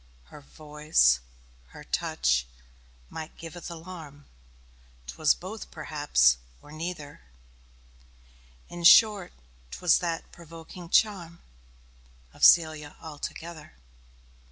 Her voice, her touch, might give th' alarm 'Twas both perhaps, or neither; In short, 'twas that provoking charm Of Cælia altogether.